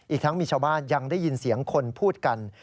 อีกทั้งมีชาวบ้านยังได้ยินเสียงคนพูดกัน